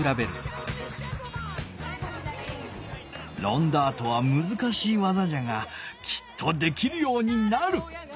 ロンダートはむずかしい技じゃがきっとできるようになる！